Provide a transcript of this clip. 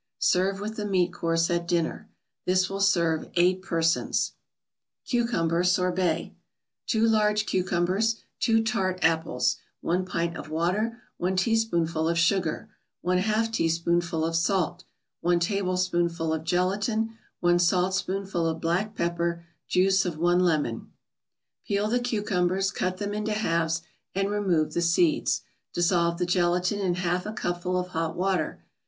Serve with the meat course at dinner. This will serve eight persons. CUCUMBER SORBET 2 large cucumbers 2 tart apples 1 pint of water 1 teaspoonful of sugar 1/2 teaspoonful of salt 1 tablespoonful of gelatin 1 saltspoonful of black pepper Juice of one lemon Peel the cucumbers, cut them into halves and remove the seeds. Dissolve the gelatin in a half cupful of hot water.